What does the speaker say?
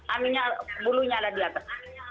aminnya bulunya ada di atas